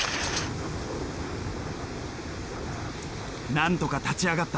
なんとか立ち上がった。